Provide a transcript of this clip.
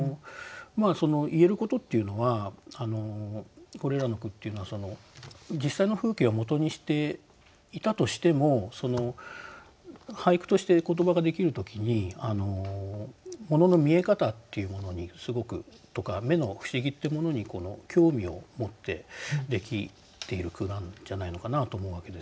言えることっていうのはこれらの句っていうのは実際の風景をもとにしていたとしても俳句として言葉ができる時にものの見え方っていうものにすごくとか目の不思議ってものに興味を持ってできている句なんじゃないのかなと思うわけです。